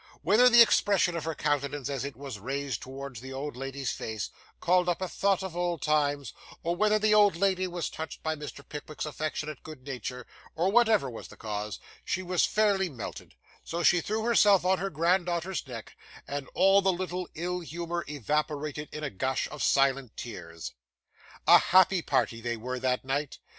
Whether the expression of her countenance, as it was raised towards the old lady's face, called up a thought of old times, or whether the old lady was touched by Mr. Pickwick's affectionate good nature, or whatever was the cause, she was fairly melted; so she threw herself on her granddaughter's neck, and all the little ill humour evaporated in a gush of silent tears. A happy party they were, that night.